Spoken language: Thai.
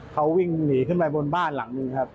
เขาวิ่งหนีขึ้นไปบนบ้านหลังนึงครับ